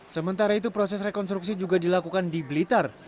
sementara itu proses rekonstruksi juga dilakukan di blitar